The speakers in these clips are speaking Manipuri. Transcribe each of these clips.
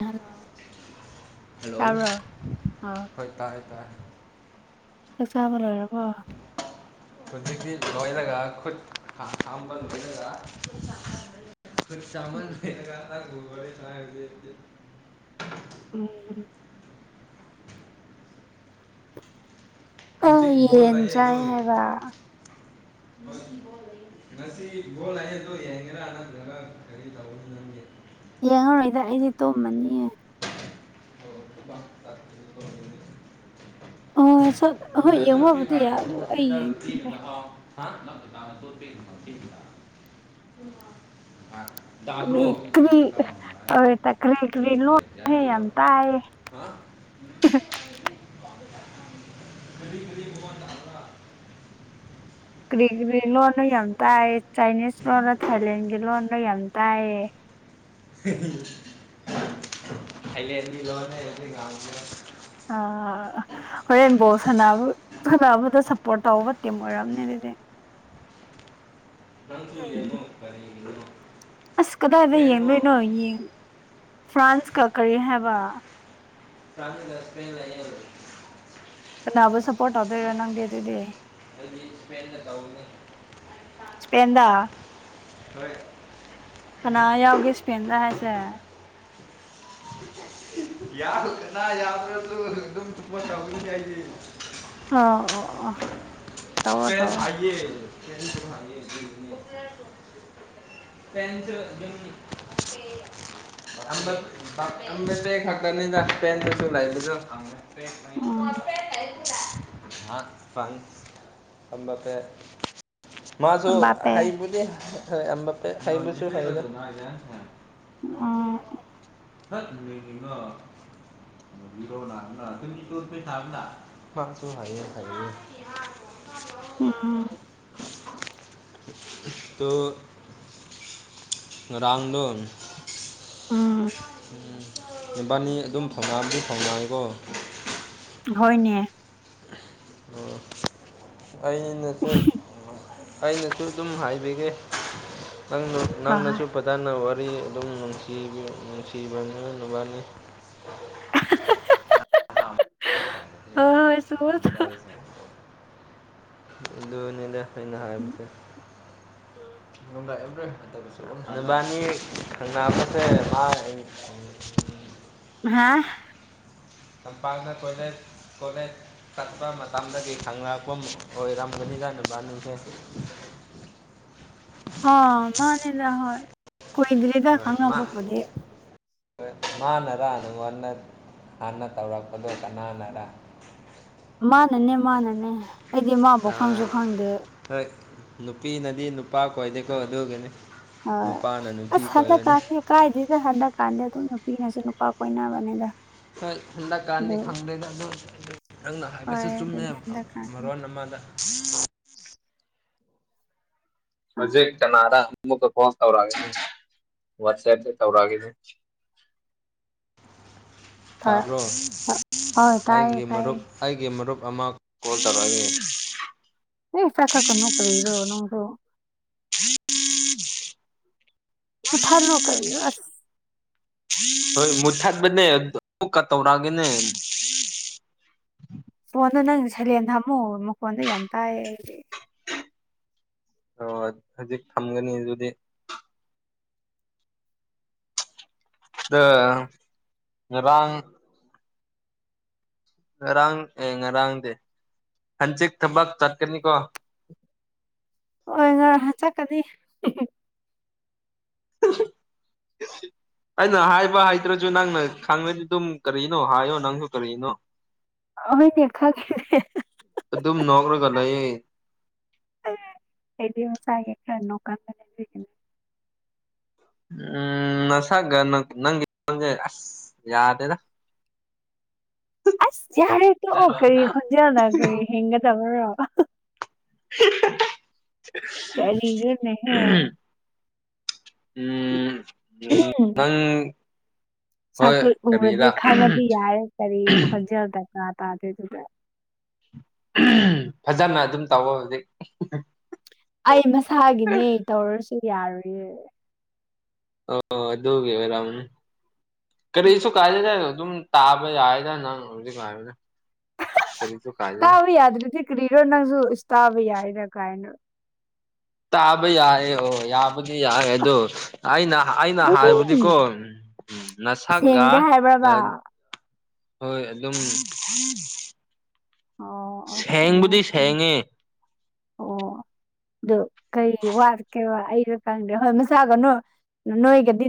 ꯍꯜꯂꯣ ꯍꯜꯂꯣ ꯇꯥꯕ꯭ꯔꯣ ꯑꯥ ꯍꯣꯏ ꯇꯥꯔꯦ ꯇꯥꯔꯦ ꯆꯥꯛꯆꯥꯥꯕ ꯂꯣꯏꯔꯕꯣ ꯍꯨꯖꯤꯛꯇꯤ ꯂꯣꯏꯔꯒ ꯈꯨꯠꯀꯥ ꯍꯥꯝꯕ ꯂꯣꯏꯔꯒ [unintelligible] ꯎꯝ ꯑ ꯍꯧꯖꯤꯛ ꯕꯣꯜ ꯌꯦꯟ ꯂꯩꯌꯦ ꯑꯗꯣ ꯆꯥꯏꯌꯦ ꯍꯥꯏꯕ ꯉꯁꯤ ꯕꯣꯜ ꯂꯩꯌꯦ ꯗꯣ ꯌꯦꯡꯒꯦꯔꯥ ꯅꯠꯇꯔꯒ ꯀꯔꯤ ꯇꯧꯒꯅꯤ ꯅꯪꯗꯤ ꯌꯦꯡꯉꯔꯣꯏꯗ ꯑꯩꯗꯤ ꯇꯨꯝꯃꯅꯤ ꯑꯣ [unintelligible] ꯆꯠ ꯍꯣꯏ ꯌꯦꯡꯕꯕꯨꯗꯤ ꯌꯥꯏ ꯑꯗꯨ ꯑꯩ ꯌꯦꯡ [unintelligible] [unintelligible] [unintelligible] ꯀꯔꯤ ꯀꯔꯤ ꯂꯣꯟ ꯍꯦ ꯌꯥꯝ ꯇꯥꯏꯌꯦ [unintelligible] [unintelligible] ꯀ꯭ꯔꯤ ꯀ꯭ꯔꯤ ꯂꯣꯟꯅꯣ ꯌꯥꯝ ꯇꯥꯏꯌꯦ ꯆꯥꯏꯅꯤꯁ ꯂꯣꯟꯂ ꯊꯥꯏꯂꯦꯟꯒꯤ ꯂꯣꯟꯔ ꯌꯥꯝ ꯇꯥꯏꯌꯦ ꯊꯥꯏꯂꯦꯟ ꯒꯤ ꯂꯣꯟꯅꯦ ꯑꯈꯣꯏ [unintelligible] ꯑꯥ ꯍꯣꯔꯦꯟ ꯕꯣꯜ ꯁꯅꯥꯕꯨ ꯁꯅꯥꯕꯗꯨ ꯁꯞꯄꯣꯔꯠ ꯇꯧꯕ ꯇꯤꯝ ꯑꯣꯏꯔꯝꯅꯤ ꯑꯗꯨꯗꯤ ꯅꯪꯁꯨ ꯎꯝ ꯌꯦꯡꯉꯣ ꯀꯔꯤꯒꯤꯅꯣ ꯑꯁ ꯀꯗꯥꯏꯗ ꯁ꯭ꯄꯦꯟꯗꯣ ꯌꯦꯡꯗꯣꯏꯅꯣ ꯌꯦꯟ ꯐ꯭ꯔꯥꯟꯁꯀ ꯀꯔꯤ ꯍꯥꯏꯕ ꯐ꯭ꯔꯥꯟꯁꯒ ꯁꯄꯦꯟ ꯂꯩꯌꯦ ꯀꯅꯥꯕꯨ ꯁꯞꯄꯣꯔꯠ ꯇꯧꯗꯣꯏꯔ ꯅꯪꯗꯤ ꯑꯗꯨꯗꯤ ꯑꯗꯤ ꯏꯁꯄꯦꯟꯗ ꯇꯧꯒꯅꯤ ꯏꯁꯄꯦꯟꯗ ꯍꯣꯏ ꯀꯅꯥ ꯌꯥꯎꯒꯦ ꯏꯁꯄꯦꯟꯗ ꯍꯥꯏꯁꯦ [unintelligible] ꯇꯧꯒꯅꯤꯗ ꯑꯩꯗꯤ ꯑ ꯑꯣ ꯑꯣ ꯇꯧꯋꯣ ꯇꯧꯋꯣ [unintelligible] [unintelligible] [unintelligible] ꯎꯝ [unintelligible] ꯑꯕꯥꯄꯦ ꯃꯥꯁꯨ ꯑꯝꯕꯥꯄꯦ ꯍꯩꯕꯨꯗꯤ ꯍꯩꯕꯁꯨ ꯍꯩꯗ ꯎꯝ [unintelligible] [unintelligible] ꯎꯝ ꯇꯨ ꯉꯥꯔꯥꯡꯗꯣꯟ ꯎꯝ ꯎꯝ ꯏꯕꯥꯅꯤ ꯑꯗꯨꯝ ꯐꯥꯎꯅꯕꯗꯤ ꯐꯥꯎꯅꯩꯌꯦꯀꯣ ꯍꯣꯏꯅꯦ ꯑꯣ ꯑꯩꯅꯁꯨ ꯑꯩꯅꯁꯨ ꯑꯗꯨꯝ ꯍꯥꯏꯕꯤꯒꯦ ꯅꯪꯅ ꯍꯣꯏ ꯅꯪꯅꯁꯨ ꯐꯖꯅ ꯋꯥꯔꯤ ꯑꯗꯨꯝ ꯅꯨꯡꯁꯤꯕꯤ ꯅꯨꯡꯁꯤꯕꯅꯤꯅ ꯅꯣꯏꯕꯥꯅꯤ ꯍꯣꯏ ꯍꯣꯏ [unintelligible] ꯑꯗꯨꯅꯦꯗ ꯑꯩꯅ ꯍꯥꯏꯕꯁꯦ [unintelligible] ꯅꯕꯥꯅꯤ ꯈꯪꯅꯕꯁꯦ ꯃꯥ ꯑꯩ ꯍꯥ ꯂꯝꯄꯥꯛꯇꯥ ꯇꯣꯏꯂꯦꯠ ꯀꯣꯂꯦꯖ ꯆꯠꯄ ꯃꯇꯝꯗꯒꯤ ꯈꯪꯂꯛꯄ ꯑꯣꯢꯔꯝ ꯒꯅꯤꯗ ꯅꯣꯏꯕꯥꯟꯅꯤꯁꯦ ꯑꯥ ꯃꯥꯅꯦꯗ ꯍꯣꯏ ꯀꯨꯏꯗ꯭ꯔꯤꯗ ꯈꯪꯅꯕꯕꯨꯗꯤ ꯃꯅꯔ ꯅꯪꯉꯣꯟꯗ ꯍꯥꯟꯅ ꯇꯧꯔꯛꯄꯗꯣ ꯀꯅꯥꯅꯔ ꯃꯥꯅꯅꯦ ꯃꯥꯅꯅꯦ ꯑꯩꯗꯤ ꯃꯥꯕꯨ ꯈꯪꯁꯨ ꯈꯪꯗꯦ ꯍꯣꯏ ꯅꯨꯄꯤꯅꯗꯤ ꯅꯨꯄꯥ ꯀꯣꯏꯗꯦꯀꯣ ꯑꯗꯨꯒꯤꯅꯤ ꯑꯥ ꯅꯨꯄꯥꯅ ꯑꯁ ꯅꯨꯄꯤ ꯍꯟꯗꯛ ꯀꯣꯏꯕꯅꯤ ꯀꯥꯟꯗꯤ ꯀꯥꯏꯗꯦꯗ ꯍꯟꯗꯛ ꯀꯥꯟꯗꯤ ꯑꯗꯨꯝ ꯅꯨꯄꯤꯅꯁꯨ ꯅꯨꯄꯥ ꯀꯣꯏꯅꯕꯅꯦꯗ ꯍꯣꯏ ꯍꯟꯗꯛꯀꯥꯥꯟꯗꯤ ꯈꯪꯗꯔ꯭ꯦꯗ ꯑꯗꯨ ꯅꯪꯅ ꯍꯣꯏ ꯍꯥꯏꯕꯁꯨ ꯑꯗꯨꯅꯦ ꯆꯨꯝꯃꯦꯕ ꯍꯟꯗꯛꯀꯥꯟꯗꯤ ꯃꯔꯣꯟ ꯑꯃꯗ ꯑꯥ ꯍꯧꯖꯤꯛ ꯀꯅꯥꯔꯥ ꯑꯃꯛꯀꯥ ꯀꯣꯜ ꯇꯧꯔꯛ ꯑꯥꯒꯦ ꯋꯥꯠꯆꯞꯇ ꯇꯧꯔꯒꯦ ꯊꯥ ꯇꯥꯕ꯭ꯔꯣ ꯑꯥ ꯇꯥꯏꯌꯦ ꯑꯩꯒꯤ ꯇꯥꯏꯌꯦ ꯃꯔꯨꯞ ꯑꯩꯒꯤ ꯃꯔꯨꯞ ꯑꯃ ꯀꯣꯜ ꯇꯧꯔꯛꯑꯦ [unintelligible] ꯀꯔꯤꯔꯣ ꯅꯪꯗꯣ [unintelligible] ꯑꯁ ꯍꯣꯏ ꯃꯨꯊꯠꯄꯅꯦ ꯑꯃꯨꯛꯀ ꯇꯧꯔꯛꯑꯒꯦꯅꯦ ꯐꯣꯟꯗꯣ ꯅꯪ ꯁꯩꯂꯦꯟꯗ ꯍꯥꯝꯃꯨ ꯃꯈꯣꯟꯗꯣ ꯌꯥꯝ ꯇꯥꯏ ꯑꯩꯗꯤ ꯑꯣ ꯍꯧꯖꯤꯛ ꯊꯝꯒꯅꯤ ꯑꯗꯨꯗꯤ ꯉꯥꯔꯥꯡ ꯉꯔꯥꯡ ꯑꯦ ꯉꯔꯥꯡꯗꯤ ꯍꯪꯆꯤꯠ ꯊꯕꯛ ꯆꯠꯀꯅꯤꯀꯣ ꯍꯣꯏ ꯍꯣꯢ ꯍꯥ ꯆꯠꯀꯅꯤ [unintelligible] ꯑꯩꯅ ꯍꯥꯏꯕ ꯍꯩꯇꯔꯥꯁꯨ ꯅꯪꯅ ꯈꯪꯉꯗꯤ ꯑꯗꯨꯝ ꯀꯔꯤꯅꯣ ꯍꯥꯏꯌꯣ ꯅꯪꯁꯨ ꯀꯔꯤꯅꯣ ꯍꯣꯏꯅꯦ ꯈꯪꯉꯦꯅꯦ ꯑꯗꯨꯝ ꯅꯣꯛꯔꯒ ꯂꯩꯌꯦ ꯑꯩꯗꯤ ꯃꯁꯥꯒꯤ ꯈꯔꯥ ꯅꯣꯛꯀꯟꯕꯅꯦ ꯑꯩ ꯎꯝ ꯅꯁꯒ ꯅꯪ ꯅꯪꯒꯤ ꯈꯣꯟꯖꯦꯟ ꯑꯁ ꯌꯥꯗꯦꯗ [unintelligible] ꯑꯁ ꯌꯥꯔꯦ ꯇꯣꯛꯑꯣ ꯀꯔꯤ ꯈꯨꯟꯖꯦꯟꯅꯣ ꯀꯔꯤ ꯍꯩꯅꯗꯕꯔꯣ [unintelligible] ꯀꯔꯤꯅꯣꯅꯦꯍꯦ ꯎꯝ ꯎꯝ ꯅꯪ ꯍꯣꯏ ꯁꯛꯇꯨ ꯎꯔꯗꯤ ꯀꯔꯤꯔꯥ ꯈꯪꯉꯗꯤ ꯌꯥꯢ ꯀꯔꯤ ꯈꯣꯟꯖꯦꯜꯗ ꯀꯥ ꯇꯥꯗꯣꯏꯗꯨꯗ ꯐꯖꯅ ꯑꯗꯨꯝ ꯇꯧꯕ ꯍꯧꯖꯤꯛ ꯑꯩ ꯃꯁꯥꯒꯤꯅꯦ ꯇꯧꯔꯁꯨ ꯌꯥꯔꯨꯌꯦ ꯑꯣ ꯑꯗꯨꯣꯒꯦꯕꯔ ꯈꯔꯁꯨ ꯀꯥꯏꯗꯦ ꯆ ꯇ ꯇꯥꯕ ꯌꯥꯗ ꯅꯪ ꯍꯧꯅꯦ ꯇꯕ ꯌꯥꯗꯔꯤꯗꯤ ꯀ꯭ꯔꯤꯔꯣ ꯅꯪꯁꯨ ꯏ ꯇꯕ ꯌꯥꯏꯅ ꯀꯥꯏꯅ ꯇꯥꯕ ꯌꯥꯏꯌꯦ ꯑꯣ ꯌꯥꯕꯨꯗꯤ ꯌꯥꯏ ꯑꯗꯣ ꯑꯩꯅ ꯑꯩꯅ ꯍꯥꯏꯕꯨꯗꯤꯀꯣ ꯎꯝ ꯅꯁꯒ ꯁꯦꯡꯗꯦ ꯑ ꯍꯥꯏꯕ꯭ꯔꯕ ꯍꯣꯏ ꯑꯗꯨꯝ ꯑꯣ ꯑꯣ ꯁꯦꯡꯉꯣ ꯁꯦꯡꯕꯨꯗꯤ ꯁꯦꯡꯉꯣ ꯁꯦꯡꯉꯦ ꯑꯣ ꯑꯗꯨ ꯀꯩ ꯋꯥꯠꯀꯦꯕ ꯑꯩꯗꯣ ꯈꯪꯗꯦꯕꯥ ꯃꯁꯥꯒ ꯅꯣꯏ ꯅꯣꯏꯒꯗꯤ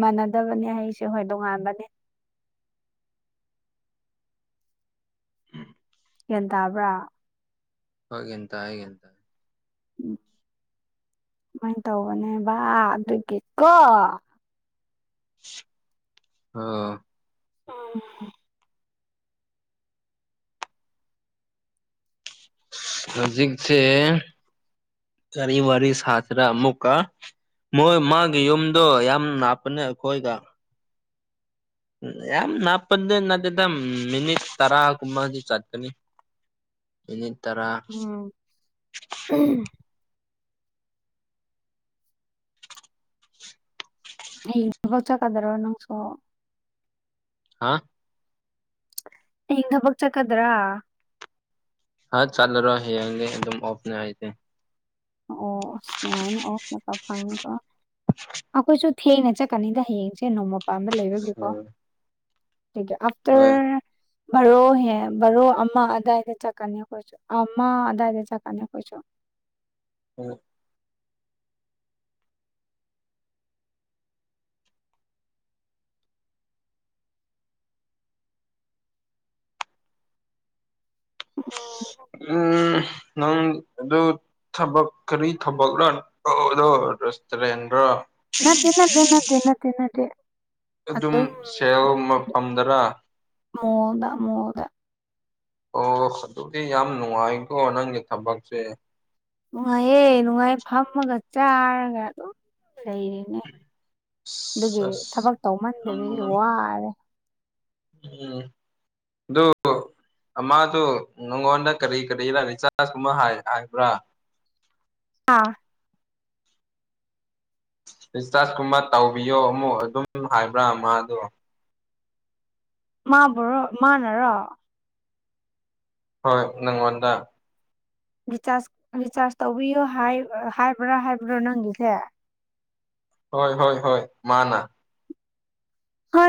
ꯃꯥꯟꯅꯗꯕꯅꯦ ꯑꯩꯁꯦ ꯍꯣꯏ ꯗꯣꯉꯥꯟꯕꯅꯦ ꯒ꯭ꯌꯥꯟ ꯇꯥꯕ꯭ꯔꯥ [unintelligible] ꯎꯝ ꯁꯨꯃꯥꯏꯅ ꯇꯧꯕꯅꯦꯕ ꯑꯗꯨꯒꯤꯀꯣ ꯑ ꯎꯝ ꯍꯧꯖꯤꯛꯁꯦ ꯀꯔꯤ ꯋꯥꯔꯤ ꯁꯥꯗ꯭ꯔ ꯑꯃꯨꯛꯀ ꯃꯣꯏ ꯃꯥꯒꯤ ꯌꯨꯝꯗꯣ ꯌꯥꯝ ꯅꯥꯞꯄꯅꯦ ꯑꯩꯈꯣꯏꯗ ꯌꯥꯝ ꯅꯥꯄ ꯅꯠꯇꯗ ꯃꯤꯅꯤꯠ ꯇꯔꯥ ꯀꯨꯝꯕꯗꯤ ꯆꯠꯀꯅꯤ [unintelligible] ꯏꯅꯤꯠ ꯇꯔꯥ ꯎꯝ ꯣ ꯀꯗꯔꯣ ꯅꯪꯁꯨꯣ ꯍꯥ ꯍ ꯊꯕꯛ ꯆꯈꯗ꯭ꯔꯥ ꯍ ꯆꯥꯂꯔꯣ ꯍ ꯑꯗꯨꯝ ꯑꯣꯐꯅꯦ ꯍꯥꯏꯦ ꯑꯣ ꯅꯅꯨꯡꯉꯥꯏꯅ ꯑꯣ ꯐ ꯑ ꯀꯣꯏꯁꯨꯣ ꯊꯦꯡꯅ ꯆꯠꯀꯅꯤꯗ ꯍꯌꯦꯡꯁꯦ ꯅꯣꯡꯃ ꯄꯥꯟꯕ ꯂꯩꯕꯒꯦꯀꯣ ꯎꯝ ꯍꯣꯏ ꯑꯥꯐꯇꯔ ꯕꯥꯔꯣꯍꯦ ꯚꯔꯣ ꯑꯃ ꯑꯏꯗ ꯆꯠꯀꯅꯤ ꯑꯩꯈꯣꯏ ꯑꯃ ꯑꯗꯥꯗ ꯆꯀꯅꯤ ꯀꯣꯏ ꯍ ꯎꯝ ꯎꯝ ꯅꯪ ꯑꯗꯨ ꯊꯕꯛ ꯀꯔꯤ ꯊꯕꯛꯅ ꯇꯗꯣ ꯔꯦꯁꯇꯨꯔꯦꯟꯒ꯭ꯔ ꯅꯠꯇꯦ ꯅꯠꯇꯦ ꯅꯠꯇꯦ ꯅꯠꯇꯦ ꯅꯠꯇꯦ ꯑꯗꯨꯝ ꯁꯦꯜ ꯑꯃꯐꯝꯝꯗꯅ ꯃꯨꯗ ꯃꯣꯗ ꯑꯣ ꯑꯗꯨꯗꯤ ꯌꯥꯝ ꯅꯨꯡꯉꯥꯏꯀꯣ ꯅꯪꯒꯤ ꯊꯕꯛꯁꯦ ꯅꯨꯡꯉꯥꯏꯌꯦꯦ ꯅꯨꯡꯉꯥꯏꯌꯦ ꯐꯝꯃꯒ ꯆꯥꯔꯒ ꯑꯗꯨꯝ ꯂꯩꯔꯅꯦ ꯑꯗꯨꯒꯤ ꯑꯁ ꯑꯁ ꯊꯕꯛ ꯌꯥꯝ ꯇꯧꯃꯟꯗꯕꯤꯗꯤ ꯅꯨꯡꯉꯥꯏ ꯋꯥꯔꯦ ꯎꯝ ꯑꯗꯨꯣ ꯃꯥꯗꯨ ꯅꯪꯉꯣꯟꯗ ꯀꯔꯤ ꯀꯔꯤ ꯔ ꯆꯥꯥꯔꯖꯀꯨꯝꯕ ꯍꯥꯏꯕ꯭ꯔꯥ ꯑꯥ ꯗꯤꯁꯆꯥꯔꯖꯀꯨꯝꯕ ꯇꯧꯕꯤꯌꯣ ꯑꯃꯨꯛ ꯑꯗꯨꯝ ꯍꯥꯏꯕ꯭ꯔꯥ ꯃꯥ ꯑꯗꯣ ꯃꯥꯕꯨꯣ ꯃꯥꯅꯔꯣ ꯍꯣꯏ ꯅꯪꯉꯣꯟꯗ ꯔꯤꯆꯥꯔꯖ ꯔꯤꯆꯥꯔꯖ ꯇꯧꯕꯤꯌꯣ ꯍꯥꯏꯕ꯭ꯔꯥ ꯍꯥꯏꯕ꯭ꯔꯥ ꯅꯪꯒꯤꯁꯦ ꯍꯣꯏ ꯍꯣꯏ ꯍꯣꯏ ꯃꯥꯅ ꯍ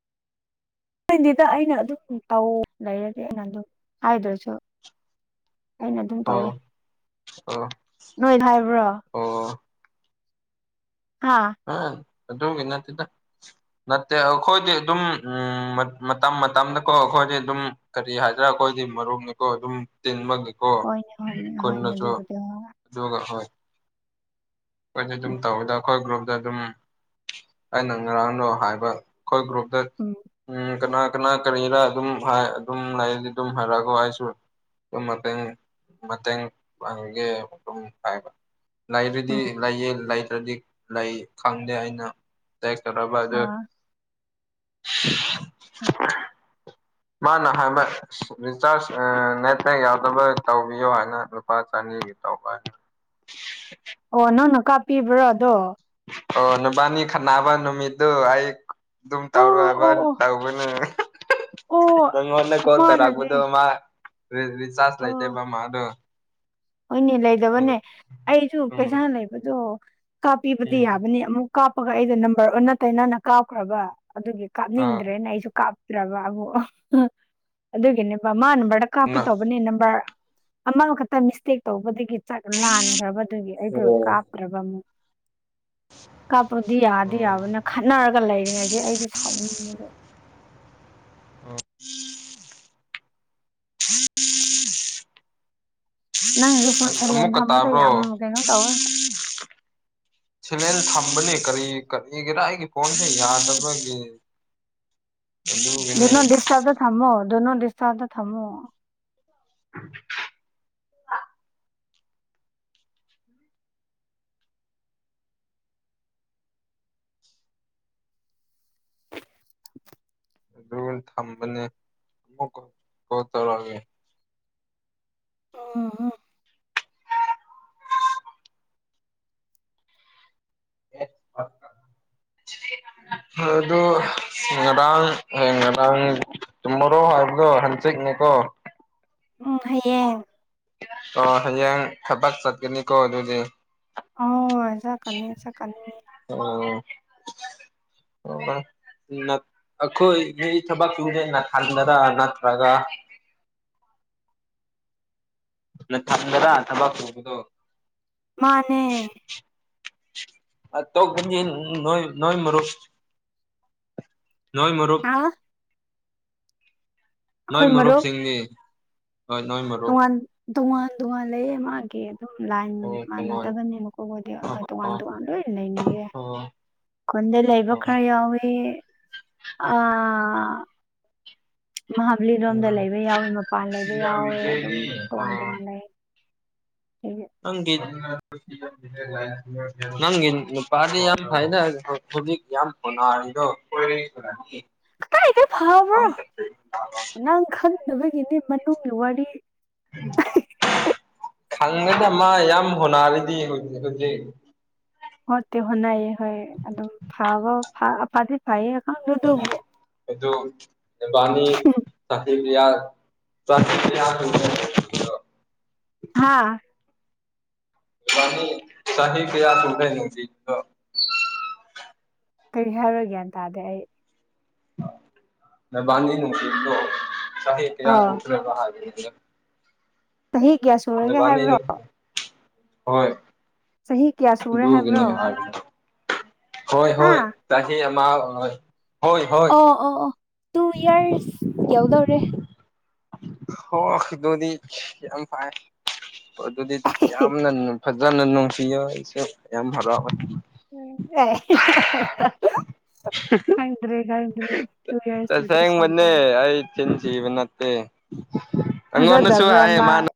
ꯗꯦꯗꯥ ꯑꯩꯅ ꯑꯗꯨꯝ ꯇꯧ ꯂꯩꯔꯒꯦ ꯑꯩꯅ ꯑꯗꯨꯝ ꯍꯥꯏꯗ꯭ꯔꯁꯨ ꯑꯩꯅ ꯑꯗꯨꯝ ꯇꯧꯋꯦ ꯑꯣ ꯑꯣ ꯅꯣꯏ ꯍꯥꯏꯕ꯭ꯔꯣ ꯑꯣ ꯍꯥꯥ ꯑꯥ ꯑꯗꯨꯒꯤ ꯅꯥꯠꯇꯦꯗ ꯅꯠꯇꯦ ꯑꯈꯣꯏꯗꯤ ꯑꯗꯨꯝ ꯎꯝ ꯃꯇꯝ ꯃꯇꯝꯗꯀꯣ ꯑꯈꯣꯏꯗꯤ ꯑꯗꯨꯝ ꯀꯔꯤ ꯍꯥꯏꯗ꯭ꯔꯥ ꯑꯈꯣꯏꯗꯤ ꯃꯔꯣꯛꯅꯤꯀꯣ ꯑꯗꯨꯝ ꯇꯤꯟꯕꯒ ꯍꯣꯏꯅꯦ ꯍꯣꯏꯅꯦ ꯍꯣꯏꯅꯦ ꯗꯨꯕꯨꯗꯤ ꯍꯣꯏ ꯑꯗꯨꯒ ꯍꯣꯏ ꯑꯈꯣꯏꯗꯤ ꯑꯗꯨꯝ ꯎꯝ ꯇꯧꯋꯦꯗ ꯑꯈꯣꯏ ꯒ꯭ꯔꯨꯞ ꯗ ꯗꯨꯝ ꯑꯩꯅ ꯉꯔꯥꯡꯗꯣ ꯍꯥꯏꯕ ꯈꯣꯏ ꯒ꯭ꯔꯨꯞꯇ ꯎꯝ ꯎꯝ ꯀꯅꯥ ꯀꯅꯥ ꯀꯔꯤꯔꯥ ꯑꯗꯨꯝ ꯑꯗꯨꯝ ꯂꯩꯗꯤ ꯑꯗꯨꯝ ꯍꯥꯏꯔꯛꯑꯒ ꯑꯩꯁꯨ ꯑꯗꯨꯝ ꯃꯇꯦꯡ ꯃꯇꯦꯡ ꯄꯥꯡꯒꯦ ꯑꯗꯨꯝ ꯍꯥꯏꯕ ꯂꯩꯔꯗꯤ ꯎꯝ ꯂꯩꯌꯦ ꯂꯩꯇ꯭ꯔꯗꯤ ꯂꯩ ꯈꯪꯗꯦ ꯑꯩꯅ ꯇ ꯈꯔꯕꯥ ꯑꯗꯨ ꯑꯥ ꯍ ꯃꯥꯅ ꯍꯥꯏꯕ ꯔꯤꯆꯥꯔꯖ ꯅꯦꯠꯕꯦꯡ ꯌꯥꯎꯗꯕ ꯇꯧꯕꯤꯌꯣ ꯍꯥꯏꯅ ꯄꯥ ꯆꯅꯤꯒꯤ ꯇ ꯑꯣ ꯅꯪꯅ ꯀꯥꯞꯄꯤꯕ꯭ꯔꯣ ꯑꯗꯣ ꯑꯣ ꯅꯨꯕꯥꯅꯤ ꯈꯟꯅꯅꯕ ꯅꯨꯃꯤꯠꯇꯨ ꯑꯩ ꯑꯗꯨꯝ ꯑꯣ ꯇꯧꯔꯨꯕ ꯑꯣ ꯑꯣ ꯇꯧꯕꯅꯦ ꯑꯣ ꯅꯪꯉꯣꯟꯗ ꯀꯣꯜ ꯑꯃꯅꯅꯦ ꯇꯧꯔꯛꯕꯗꯣ ꯃꯥ ꯔꯤꯆꯥꯔꯖ ꯑꯣ ꯂꯩꯇꯦꯕ ꯃꯥꯗꯣ ꯍꯣꯏꯅꯦ ꯑꯩꯅ ꯂꯩꯗꯕꯅꯦ ꯑꯩꯁꯨ ꯎꯝ ꯄꯩꯁꯥ ꯂꯩꯕꯗꯣ ꯀꯥꯞꯄꯤꯕꯗꯤ ꯎꯝ ꯌꯥꯕꯅꯤ ꯑꯃꯨꯛ ꯀꯥꯞꯄꯒ ꯑꯩꯗꯣ ꯅꯝꯕꯔ ꯑꯣꯟꯅ ꯇꯩꯅꯅ ꯀꯥꯞꯈ꯭ꯔꯕ ꯑꯗꯨꯒꯤ ꯑꯥ ꯀꯥꯞꯅꯤꯡꯗ꯭ꯔꯦꯅ ꯑꯩꯖꯨ ꯀꯥꯞ ꯇ꯭ꯔꯕ ꯑꯃꯨꯛ ꯑꯗꯨꯒꯤꯅꯦꯕ ꯃꯥ ꯅꯝꯕꯔꯗ ꯀꯥꯞꯀꯦ ꯇꯧꯕꯅꯦ ꯅꯝꯕꯔ ꯑꯃꯈꯛꯇ ꯃꯤꯁꯇꯦꯛ ꯇꯧꯕꯗꯒꯤ ꯆꯥꯛ ꯂꯥꯟꯈ꯭ꯔꯕꯗꯨꯒꯤ ꯑꯣ ꯑꯩꯗꯣ ꯀꯥꯞꯇ꯭ꯔꯕ ꯑꯃꯨꯛ ꯀꯥꯞꯄꯗꯤ ꯌꯥꯗꯤ ꯎꯝ ꯌꯥꯕꯅ ꯈꯠꯅꯔꯒ ꯂꯩꯔꯦ ꯉꯁꯤ ꯑꯩꯗꯤ ꯁꯥꯎꯅꯤꯡꯕꯗ ꯑꯣ ꯅꯪ ꯍꯖꯤꯛ ꯐꯣꯟ ꯑꯁ ꯁꯥꯏꯂꯦꯟ ꯑꯃꯨꯛꯀ ꯊꯝꯕ ꯗꯨ ꯇꯥꯕ꯭ꯔꯣ ꯌꯥꯝ ꯀꯩꯅꯣ ꯇꯧꯋꯦ [unintelligible] ꯁꯤꯂꯦꯟ ꯊꯝꯕꯅꯦ ꯀꯔꯤ ꯀꯔꯤꯒꯦꯔꯥ ꯑꯩꯒꯤ ꯐꯣꯟꯁꯦ ꯌꯥꯗꯕꯒꯤ ꯑꯗꯨꯒꯤꯅꯦ ꯗꯨꯅꯣꯠ ꯗꯤꯁꯇꯕ ꯗ ꯊꯝꯃꯣ ꯗꯨꯅꯣꯠ ꯗꯤꯁꯇꯕꯗ ꯊꯝꯃꯣ [unintelligible] ꯑꯗꯨꯒ ꯊꯝꯕꯅꯦ ꯑꯃꯨꯛꯀ ꯀꯣꯜ ꯇꯧꯔꯛꯑꯒꯦ [unintelligible] [inaudible] ꯑꯗꯣ ꯉꯔꯥꯡ ꯑꯦ ꯉꯔꯥꯡ ꯇꯨꯃꯣꯔꯣ ꯍꯥꯏꯕ ꯗꯣ ꯍꯟꯆꯤꯛꯅꯦ ꯀꯣ ꯎꯝ ꯍꯌꯦꯡ ꯑ ꯍꯌꯦꯡ ꯊꯕꯛ ꯆꯠꯀꯅꯤꯀꯣ ꯑꯗꯨꯗꯤ ꯑꯣꯏ ꯆꯛꯀꯅꯤ ꯆꯛꯀꯅꯤ ꯑꯣ [unintelligible] ꯅꯠ ꯑꯈꯣꯏ ꯃꯤ ꯊꯕꯛ [unintelligible] ꯅꯠꯇ꯭ꯔꯒ ꯑꯊꯟꯗꯔ ꯊꯕꯛ ꯇꯧꯕꯗꯣ ꯃꯥꯅꯦ ꯑꯇꯣꯞꯄ ꯗꯤ ꯅꯣꯏ ꯅꯣꯏ ꯃꯔꯨꯞ ꯅꯣꯏ ꯃꯔꯨꯞ ꯑꯥ ꯅꯣꯏ ꯃꯔꯨꯨꯞ ꯃꯔꯨꯞ ꯁꯤꯡꯗꯤ ꯍꯣꯏ ꯅꯣꯏ ꯃꯔꯨꯞ ꯇꯣꯉꯥꯟ ꯇꯣꯉꯥꯟ ꯇꯣꯉꯥꯟ ꯂꯩꯌꯦ ꯃꯥꯒꯤ ꯑꯗꯨꯝ ꯂꯥꯏꯟ ꯑꯣ ꯇꯣꯉꯥꯟ ꯃꯥꯟꯅꯗꯕꯅꯦꯕꯀꯣ ꯑꯣ [unintelligible] ꯇꯣꯉꯥꯟ ꯇꯣꯉꯥꯟ ꯂꯣꯏꯅ ꯂꯩꯅꯩꯌꯦ ꯑꯣ ꯈꯨꯟꯗ ꯂꯩꯕ ꯈ꯭ꯔ ꯌꯥꯎꯏ ꯑꯥ ꯃꯍꯥꯕꯂꯤꯔꯣꯝꯗ ꯑꯣ ꯂꯩꯕ ꯌꯥꯎꯋꯤ ꯃꯄꯥꯟ ꯂꯩꯕ ꯌꯥꯎꯋꯦ ꯑꯗꯨꯝ ꯇꯣꯉꯥꯟ- ꯇꯣꯉꯥꯟ ꯂꯩ꯫ [unintelligible] [unintelligible] ꯅꯪꯒꯤ ꯅꯨꯄꯥꯗꯤ ꯌꯥꯝ ꯐꯩꯅ ꯍꯧꯖꯤꯛ ꯌꯥꯝ ꯍꯣꯠꯅꯥꯔꯤꯗꯣ꯫ [unintelligible] ꯀꯥꯏꯗꯩ ꯐꯕ꯭ꯔꯣ ꯅꯪ ꯈꯪꯗꯅꯕꯒꯤꯅꯤ ꯃꯅꯨꯡꯒꯤ ꯋꯥꯔꯤ꯫ [unintelligible] ꯃꯥ ꯌꯥꯝ ꯍꯣꯅꯔꯤꯗꯤ ꯍꯧꯖꯤꯛ ꯍꯧꯖꯤꯛ ꯍꯣꯠꯇꯤ ꯍꯣꯠꯅꯩ ꯍꯣꯏ ꯑꯗꯨꯝ ꯐꯕ ꯐꯗꯤ ꯐꯩꯌꯦ ꯈꯪꯗꯦ ꯑꯗꯨ ꯑꯦꯕꯥꯅꯤ [unintelligible] ꯃꯥ ꯏꯕꯥ ꯅꯤ ꯏꯕꯥꯅꯤ ꯀꯌꯥ [unintelligible] ꯀꯩ ꯍꯥꯏꯕꯔꯥ ꯒꯌ꯭ꯥꯟ ꯇꯥꯗꯦ ꯑꯩ ꯅꯕꯥꯅꯤ ꯅꯨꯡꯁꯤꯕꯗꯣ [unintelligible] ꯑ ꯆꯍꯤ ꯀꯌꯥ [unintelligible] ꯁꯨꯔꯒꯦ ꯍꯥꯏꯕ꯭ꯔꯣ ꯅꯣꯏꯕꯥꯅꯤꯅꯥ ꯍꯣꯏ ꯆꯍꯤ ꯀꯌꯥ ꯁꯨꯔꯦ ꯑꯗꯨꯒꯤꯅꯦ ꯍꯥꯏꯕ꯭ꯔꯣ ꯍꯥꯏꯕꯅꯦ ꯍꯣꯏ ꯍꯣꯏ ꯑꯥ ꯆꯍꯤ ꯑꯃ ꯍꯣꯏ ꯍꯣꯏ ꯑꯣ ꯑꯣ ꯑꯣ ꯇꯨ ꯏꯌꯔꯁ ꯌꯧꯗꯧꯔꯦ ꯍꯣ ꯑꯗꯨꯗꯤ ꯌꯥꯝ ꯐꯥꯏ ꯑꯗꯨꯗꯤ ꯌꯥꯝꯅ ꯐꯖꯅ ꯅꯨꯡꯁꯤꯌꯣ ꯑꯩꯁꯨ ꯌꯥꯝ ꯍꯔꯥꯎ ꯑ [unintelligible] ꯈꯪꯗ꯭ꯔꯦꯗ ꯑꯗꯨ ꯇꯨ ꯏꯌꯥꯔꯁ ꯄꯨꯗꯤ ꯇꯁꯦꯡꯕꯅꯦ ꯁꯨꯗꯣꯏꯅꯤ꯫ ꯑꯩ ꯆꯤꯟ ꯊꯤꯕ ꯅꯠꯇꯦ ꯑꯩꯉꯣꯟꯗꯁꯨꯨ ꯊꯥꯖꯗꯕ꯭ꯔꯥ ꯍꯥꯏ ꯃꯥ ꯃꯥꯅ